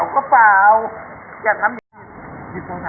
ขอบคุณที่ทำดีดีกับแม่ของฉันหน่อยครับ